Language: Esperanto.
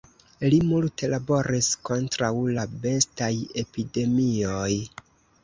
Li multe laboris kontraŭ la bestaj epidemioj.